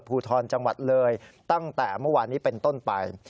ภูทรจังหวัดเลยตั้งแต่เมื่อวานนี้เป็นต้นไป